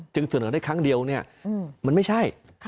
จึงเสนอได้ครั้งเดียวมันไม่ใช่